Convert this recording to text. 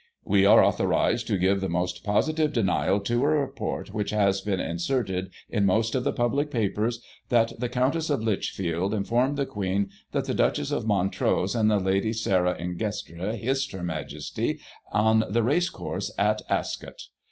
"We are authorised to give the most positive denial to a report which has been inserted in most of the public papers, that the Coimtess of Lichfield informed the Queen that the Duchess of Montrose and Lady Sarah Ingestre hissed Her Majesty on the race course at Ascot.